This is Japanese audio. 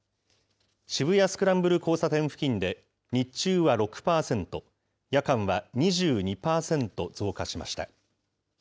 渋谷スクランブル交差点付近で日中は６％、夜間は２２％増加しました。